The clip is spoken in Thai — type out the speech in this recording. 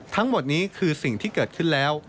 ทั้งหมดนี้คือสิ่งที่เกิดขึ้นแล้ว